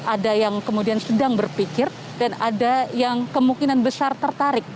ada yang kemudian sedang berpikir dan ada yang kemungkinan besar tertarik